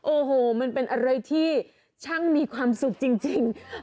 โอ้โหมันเป็นอะไรที่ช่างมีความสุขจริง